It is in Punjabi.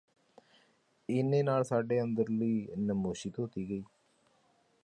ਏਨੇ ਨਾਲ ਸਾਡੇ ਅੰਦਰਲੀ ਨਮੋਸ਼ੀ ਧੋਤੀ ਗਈ